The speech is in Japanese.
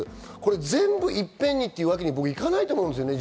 全部いっぺんにというわけにいかないと思うんです。